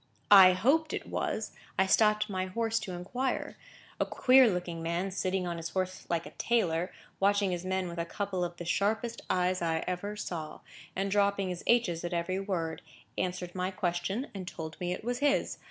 I hoped it was, I stopped my horse to inquire. A queer looking man, sitting on his horse like a tailor, watching his men with a couple of the sharpest eyes I ever saw, and dropping his h's at every word, answered my question, and told me it was his.